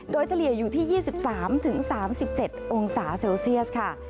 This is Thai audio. โดยเฉลี่ยอยู่ที่๒๓๓๗องศาเซลเซียสค่ะ